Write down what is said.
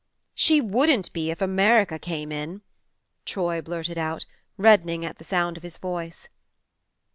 " She wouldn't be if America came in 1 " Troy blurted out, reddening at the sound of his voice.